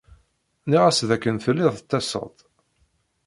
Nniɣ-as d akken telliḍ tettaseḍ-d.